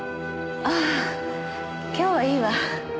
ああ今日はいいわ。